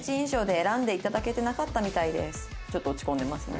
ちょっと落ち込んでますね。